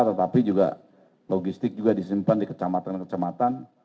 tetapi juga logistik juga disimpan di kecamatan kecamatan